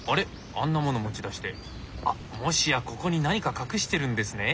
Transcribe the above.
あんなもの持ち出してもしやここに何か隠してるんですね？